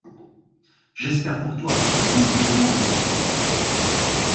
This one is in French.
J'espère pour toi, je ne te demande rien.